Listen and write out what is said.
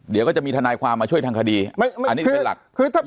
เดี๋ยวก็จะมีทนายความมาช่วยทางคดีอันนี้เป็นหลัก